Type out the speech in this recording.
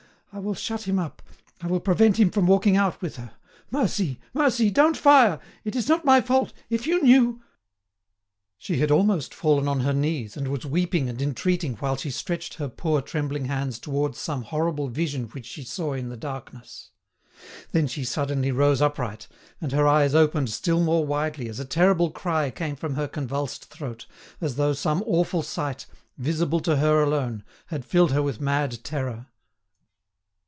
I will shut him up. I will prevent him from walking out with her. Mercy! Mercy! Don't fire. It is not my fault. If you knew——" She had almost fallen on her knees, and was weeping and entreating while she stretched her poor trembling hands towards some horrible vision which she saw in the darkness. Then she suddenly rose upright, and her eyes opened still more widely as a terrible cry came from her convulsed throat, as though some awful sight, visible to her alone, had filled her with mad terror.